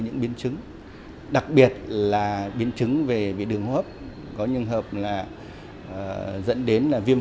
những biến chứng đặc biệt là biến chứng về bị đường hô hấp có những trường hợp là dẫn đến là viêm